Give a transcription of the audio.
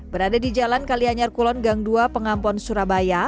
berada di jalan kalianyar kulon gang dua pengampon surabaya